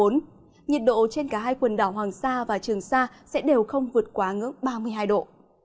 nhiệt độ trên cả hai quần đảo hoàng sa và trường sa sẽ đều không vượt quá ngưỡng ba mươi hai độ